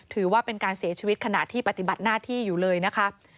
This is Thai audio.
ถือว่าเป็นการเสียชีวิตขณะที่ปฏิบัติหน้าที่อยู่เลยนะคะ